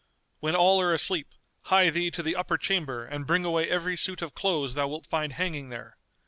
When all are asleep, hie thee to the upper chamber and bring away every suit of clothes thou wilt find hanging there.